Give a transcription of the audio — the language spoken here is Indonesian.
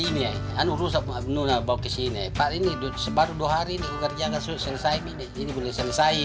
ini yang urus abnuna bau kesini pak ini baru dua hari ini kerja kasus selesai ini bagi saya